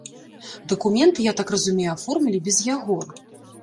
Дакументы, я так разумею, аформілі без яго.